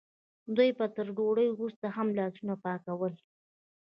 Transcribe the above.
دوی به تر ډوډۍ وروسته هم لاسونه پاکول.